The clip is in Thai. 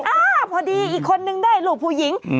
อ่าพอดีอีกคนนึงได้ลูกผู้หญิง